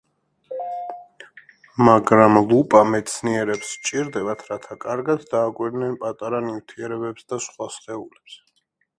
მაგრამ ლუპა მეცნიერებს სჭირდებათ რათა კარგად დააკვირდნენ პატარა ნივთიერებებს და სხვა სხეულებს